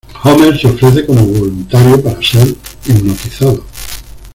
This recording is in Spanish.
Homer se ofrece como voluntario para ser hipnotizado.